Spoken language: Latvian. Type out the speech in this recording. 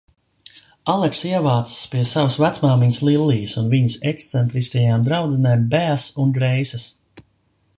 Alekss ievācas pie savas vecmāmiņas Lillijas un viņas ekscentriskajām draudzenēm Beas un Greisas.